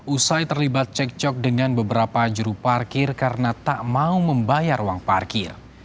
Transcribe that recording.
usai terlibat cekcok dengan beberapa juru parkir karena tak mau membayar uang parkir